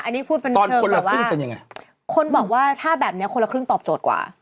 อันนี้พูดเป็นเชิงแบบว่าคนบอกว่าถ้าแบบนี้คนละครึ่งตอบโจทย์กว่า